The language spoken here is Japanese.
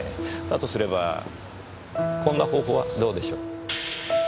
だとすればこんな方法はどうでしょう。